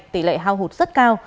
tỷ lệ hao hụt rất cao